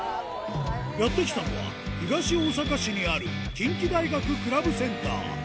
やって来たのは、東大阪市にある、近畿大学クラブセンター。